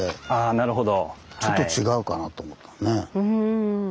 なるほど。